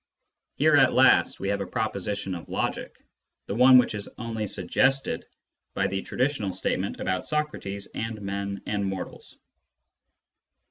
Here at last we have a proposition of logic — the one which is only suggested by the traditional statement about Socrates and men and mortals.